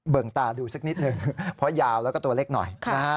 เบิ่งตาดูสักนิดนึงเพราะยาวแล้วก็ตัวเล็กหน่อย